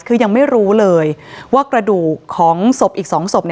คือยังไม่รู้เลยว่ากระดูกของศพอีก๒ศพ